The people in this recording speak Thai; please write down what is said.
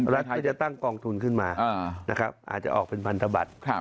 รัฐก็จะตั้งกองทุนขึ้นมานะครับอาจจะออกเป็นพันธบัตร